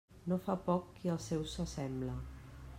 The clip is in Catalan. No fa poc qui als seus se sembla.